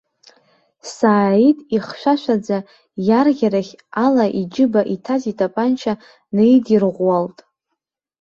Сааид, ихьшәашәаӡа иарӷьарахь ала иџьыба иҭаз итапанча неидирӷәӷәалт.